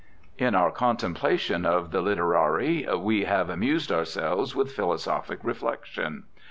In our contemplation of the literari we have amused ourselves with philosophic reflection.